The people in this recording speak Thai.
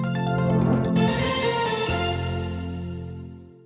ชินชอบมากมันรู้ทำไมเหมือนกันอ่ะ